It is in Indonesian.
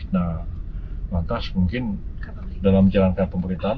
nah lantas mungkin dalam menjalankan pemerintahan